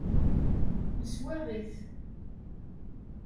Neswaɣ-it.